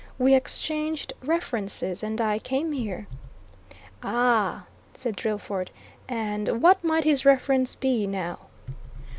We exchanged references, and I came here." "Ah!" said Drillford. "And what might his references be, now?"